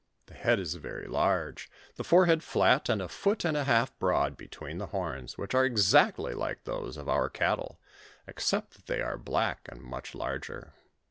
The head is very large, the forehead flat and a foot and a half broad between the horns, which are exactly like those of our cattle, except that they are black and much larger.